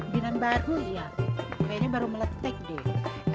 binan baru ya kayaknya baru meletek deh